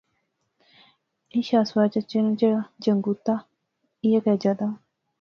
ایہہ شاہ سوار چچے ناں جہیڑا جنگت دا ایہہ کیا جا دا؟